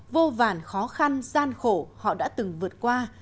vô vàn khó khăn gian khổ họ đã từng vượt qua